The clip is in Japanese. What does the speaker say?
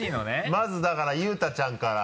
まずだから佑太ちゃんから。